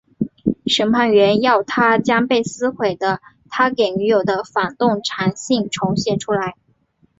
审判员要他将被撕毁的他给女友的反动长信重写出来。